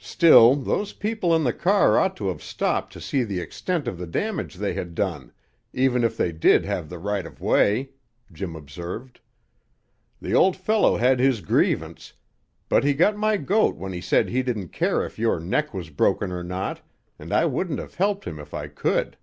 "Still, those people in the car ought to have stopped to see the extent of the damage they had done, even if they did have the right of way," Jim observed. "The old fellow had his grievance, but he got my goat when he said he didn't care if your neck was broken or not, and I wouldn't have helped him if I could."